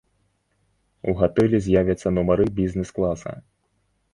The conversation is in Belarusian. У гатэлі з'явяцца нумары бізнэс-класа.